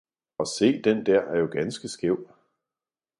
og se, den dér er jo ganske skæv!